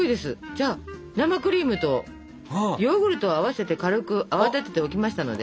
じゃあ生クリームとヨーグルトを合わせて軽く泡立てておきましたので。